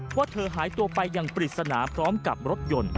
ว่าเธอหายตัวไปอย่างปริศนาพร้อมกับรถยนต์